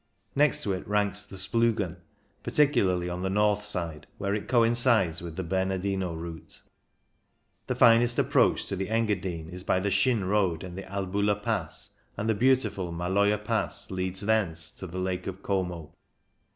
Next to it ranks the Splugen, particularly on the north side, where it coincides with the Bernardino route. The finest approach to the Engadine is by the Schyn Road and the Albula Pass, and the beautiful Maloja Pass leads thence to the Lake of Como.